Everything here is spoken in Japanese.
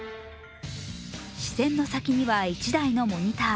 視線の先には１台のモニター。